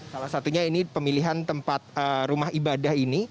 salah satunya ini pemilihan tempat rumah ibadah ini